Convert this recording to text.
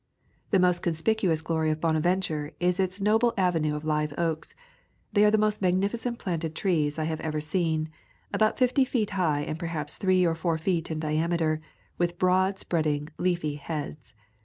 The most conspicuous glory of Bonaventure is its noble avenue of live oaks. They are the most magnificent planted trees I have ever seen, about fifty feet high and perhaps three or four feet in diameter, with broad spreading leafy heads.